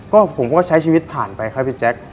ก็ผมก็ใช้ชีวิตผ่านไปครับพี่แจ๊ค